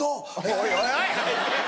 おいおい！